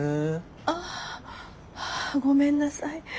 あっごめんなさい。